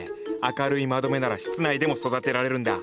明るい窓辺なら室内でも育てられるんだ。